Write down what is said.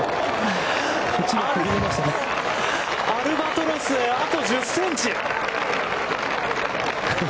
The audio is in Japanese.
アルバトロスへあと１０センチ。